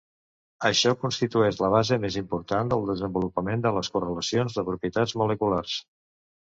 Això constitueix la base més important del desenvolupament de les correlacions de propietats moleculars.